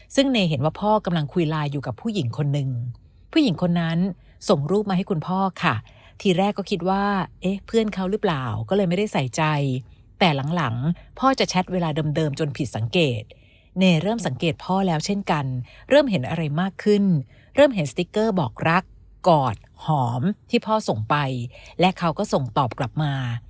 ส่งรูปมาให้คุณพ่อค่ะทีแรกก็คิดว่าเพื่อนเขาหรือเปล่าก็เลยไม่ได้ใส่ใจแต่หลังพ่อจะแชทเวลาเดิมจนผิดสังเกตเน่เริ่มสังเกตพ่อแล้วเช่นกันเริ่มเห็นอะไรมากขึ้นเริ่มเห็นสติ๊กเกอร์บอกรักกอดหอมที่พ่อส่งไปและเขาก็ส่งตอบกลับมา